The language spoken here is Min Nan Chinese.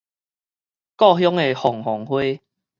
故鄉的鳳凰花